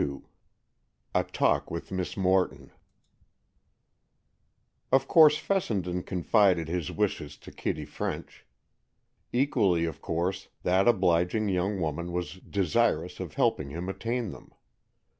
XXII A TALK WITH MISS MORTON Of course Fessenden confided his wishes to Kitty French. Equally of course, that obliging young woman was desirous of helping him attain them.